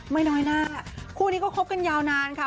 ไม่น้อยหน้าคู่นี้ก็คบกันยาวนานค่ะ